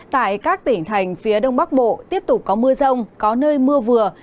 tại các tỉnh thành phía đông bắc bộ tiếp tục có mưa rông có nơi mưa vừa